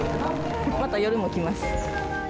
また夜も来ます。